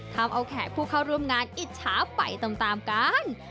ทำเอาแขกผู้เข้าร่วมงานอิจฉาไปตามกัน